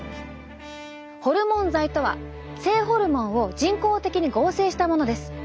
ホルモン剤とは性ホルモンを人工的に合成したものです。